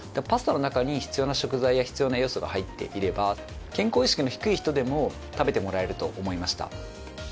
パスタの中に必要な食材や必要な栄養素が入っていれば健康意識の低い人でも食べてもらえると思いました。